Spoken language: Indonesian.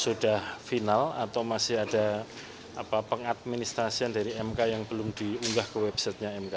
sudah final atau masih ada pengadministrasian dari mk yang belum diunggah ke websitenya mk